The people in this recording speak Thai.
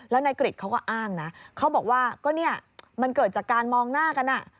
แล้วนายกริจเขาก็อ้างนะเขาบอกว่าก็เนี่ยมันเกิดจากการมองหน้ากัน